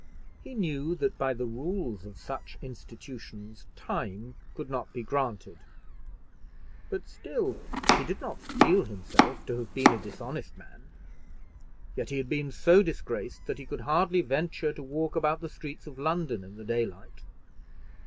He knew that by the rules of such institutions time could not be granted; but still he did not feel himself to have been a dishonest man. Yet he had been so disgraced that he could hardly venture to walk about the streets of London in the daylight.